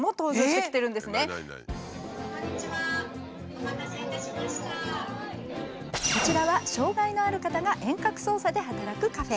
今こちらは障害のある方が遠隔操作で働くカフェ。